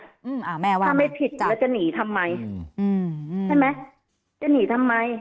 อ่าแม่ว่าถ้าไม่ผิดอ่ะแล้วจะหนีทำไมอืมอืมใช่ไหมจะหนีทำไม